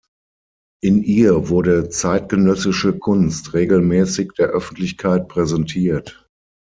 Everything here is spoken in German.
In ihr wurde zeitgenössische Kunst regelmäßig der Öffentlichkeit präsentiert.